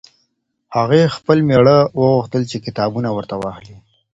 هغې ه خپل مېړه وغوښتل چې کتابونه ورته واخلي.